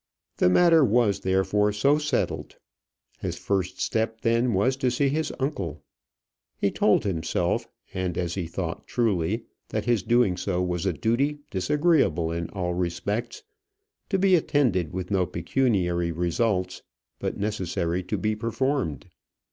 The matter was therefore so settled. His first step, then, was to see his uncle. He told himself and as he thought, truly that his doing so was a duty, disagreeable in all respects, to be attended with no pecuniary results, but necessary to be performed.